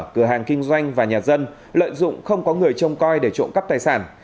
cửa hàng kinh doanh và nhà dân lợi dụng không có người trông coi để trộm cắp tài sản